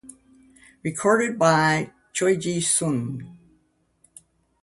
Recorded by Choi Gi Sun.